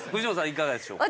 いかがでしょうか？